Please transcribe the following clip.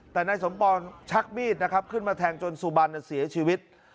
แต่นายสมปอนชักมีดนะครับขึ้นมาแทงจนสุบันเสียชีวิต